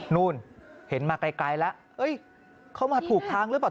นู่นเห็นมาไกลแล้วเข้ามาถูกทางหรือเปล่า